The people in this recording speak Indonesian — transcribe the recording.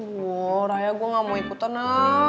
aduh raya gue gak mau ikutan lah